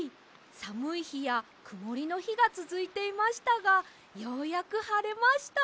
さむいひやくもりのひがつづいていましたがようやくはれました！